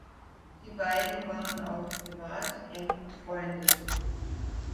Die beiden waren auch privat eng befreundet.